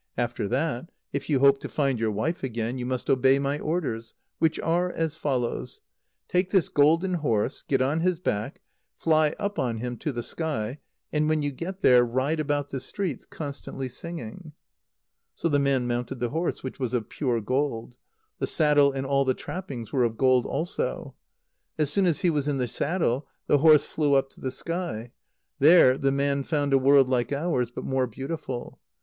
After that, if you hope to find your wife again, you must obey my orders, which are as follows: Take this golden horse, get on his back, fly up on him to the sky, and, when you get there, ride about the streets, constantly singing." So the man mounted the horse, which was of pure gold. The saddle and all the trappings were of gold also. As soon as he was in the saddle, the horse flew up to the sky. There the man found a world like ours, but more beautiful.